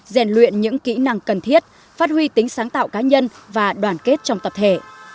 rèn luyện những kỹ năng cần thiết phát huy tính sáng tạo cá nhân và đoàn kết trong tập thể